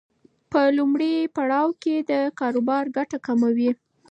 په لومړي پړاو کې د کاروبار ګټه کمه وي.